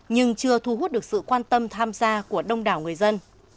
nhưng chưa thu hút được sự quan tâm tham gia của đông đảo người dân